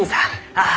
ああ！